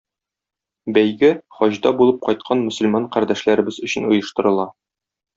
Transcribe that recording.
Бәйге хаҗда булып кайткан мөселман кардәшләребез өчен оештырыла.